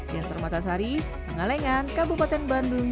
yang termatasari pengalengan kabupaten bandung